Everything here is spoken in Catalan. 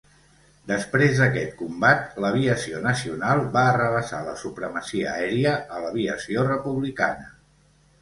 Després d'aquest combat, l'Aviació Nacional va arrabassar la supremacia aèria a l'Aviació Republicana.